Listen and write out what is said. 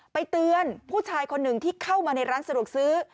เตือนผู้ชายคนหนึ่งที่เข้ามาในร้านสะดวกซื้อ